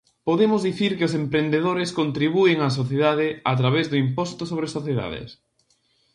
Podemos dicir que os emprendedores contribúen á sociedade a través do Imposto sobre Sociedades.